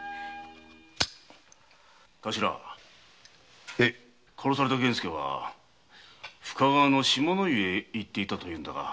カシラ殺された源助は深川の「下の湯」へ行っていたというんだが。